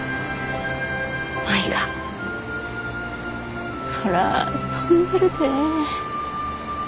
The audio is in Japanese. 舞が空飛んでるで。